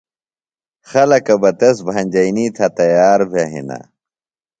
خلکہ بہ تس بھنجئِنی تھےۡ تیار بھِےۡ ہنہ